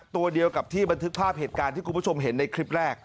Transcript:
ตัวเดียวกับที่บันทึกภาพเหตุการณ์ที่คุณผู้ชมเห็นในคลิปแรก